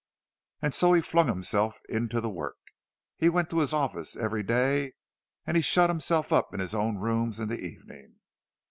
And so he flung himself into the work. He went to his office every day, and he shut himself up in his own rooms in the evening.